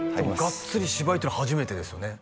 がっつり芝居っていうのは初めてですよね？